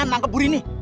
mendingan langgep burini